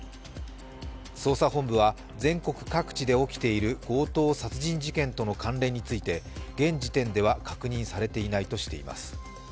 捜査本部は全国各地で起きている強盗殺人事件との関連について現時点では確認されていないとしています。